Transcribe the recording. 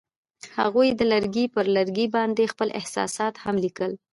هغوی د لرګی پر لرګي باندې خپل احساسات هم لیکل.